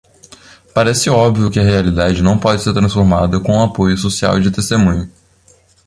Parece óbvio que a realidade não pode ser transformada com apoio social de testemunho.